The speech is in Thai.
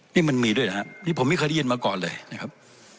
นี่มันมีด้วยนะครับนี่ผมไม่เคยได้ยินมาก่อนเลยนะครับ